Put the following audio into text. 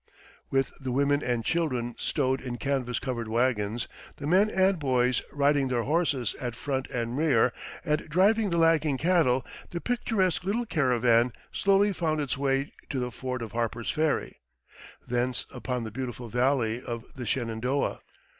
With the women and children stowed in canvas covered wagons, the men and boys riding their horses at front and rear, and driving the lagging cattle, the picturesque little caravan slowly found its way to the ford at Harper's Ferry, thence up the beautiful valley of the Shenandoah.